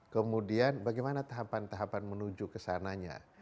kemudian bagaimana tahapan tahapan menuju ke sananya